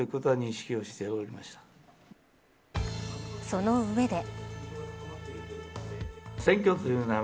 その上で。